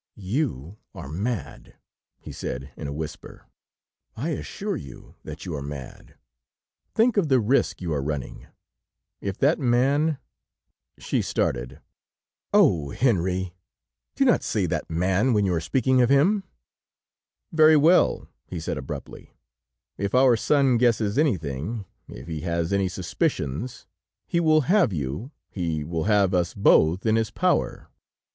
"You are mad," he said in a whisper. "I assure you that you are mad. Think of the risk you are running. If that man ..." She started. "Oh! Henri, do not say that man, when you are speaking of him." "Very well," he said abruptly, "if our son guesses anything, if he has any suspicions, he will have you, he will have us both in his power.